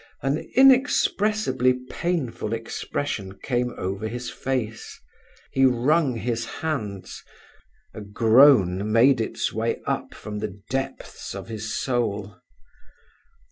An inexpressibly painful expression came over his face. He wrung his hands; a groan made its way up from the depths of his soul.